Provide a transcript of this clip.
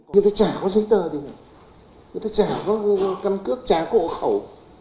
người ta chả có giấy tờ chả có căn cước chả có hộ khẩu